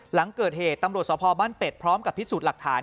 หลังเกิดเหตุตำรวจสภบ้านเป็ดพร้อมกับพิสูจน์หลักฐาน